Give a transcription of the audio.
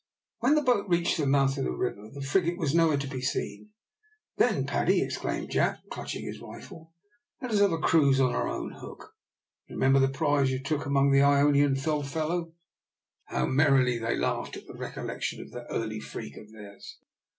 When the boat reached the mouth of the river, the frigate was nowhere to be seen. "Then, Paddy," exclaimed Jack, clutching his rifle, "let us have a cruise on our own hook. You remember the prize you took among the Ionian Islands, old fellow?" How merrily they laughed at the recollection of that early freak of theirs.